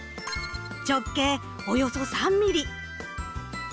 直径およそ３ｍｍ。